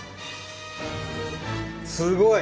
すごい！